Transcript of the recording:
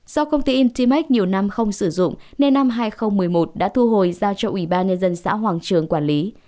do công ty intimec nhiều năm không sử dụng nên năm hai nghìn một mươi một đã thu hồi giao cho ủy ban nhân dân xã hoàng trường quản lý